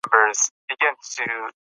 که خویندې نندرې شي نو مینه به نه کمیږي.